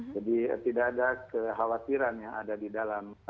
jadi tidak ada kekhawatiran yang ada di dalam